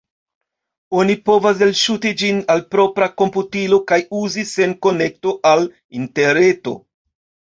Oni povas elŝuti ĝin al propra komputilo kaj uzi sen konekto al Interreto.